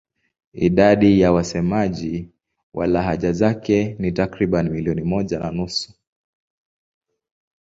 Idadi ya wasemaji wa lahaja zake ni takriban milioni moja na nusu.